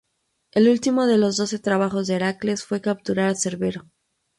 El último de los doce trabajos de Heracles fue capturar a Cerbero.